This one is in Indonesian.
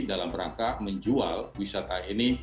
dalam rangka menjual wisata ini